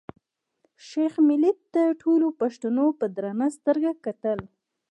شېخ ملي ته ټولو پښتنو په درنه سترګه کتل.